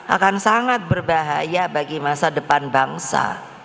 akan sangat berbahaya bagi masa depan bangsa